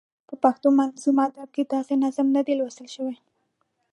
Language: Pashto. په پښتو منظوم ادب کې داسې نظم نه دی لوستل شوی.